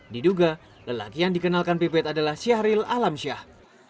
diduga lelaki yang dikenalkan pipet adalah syahril alamsyah